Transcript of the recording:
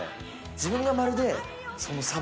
自分がまるで。